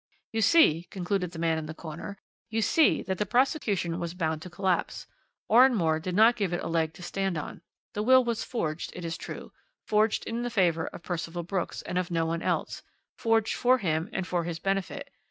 "You see," concluded the man in the corner, "you see that the prosecution was bound to collapse. Oranmore did not give it a leg to stand on. The will was forged, it is true, forged in the favour of Percival Brooks and of no one else, forged for him and for his benefit.